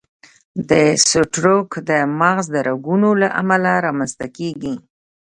د سټروک د مغز رګونو له امله رامنځته کېږي.